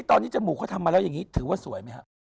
ตอนนี้จมูกเขาทำมาแล้วอย่างนี้ถือว่าสวยไหมครับ